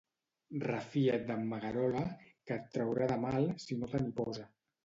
Refia't d'en Magarola, que et traurà de mal si no te n'hi posa.